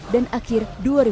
dan akhir dua ribu sembilan belas